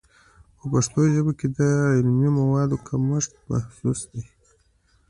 په پښتو ژبه کې د علمي موادو کمښت محسوس دی.